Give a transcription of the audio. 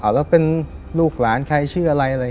อ้าวแล้วเป็นลูกร้านใครชื่ออะไร